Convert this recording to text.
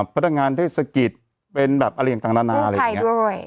พัตรงานได้สะกิดเป็นแบบอะไรอย่างต่างอะไรอย่างเงี้ยไม่ใครด้วย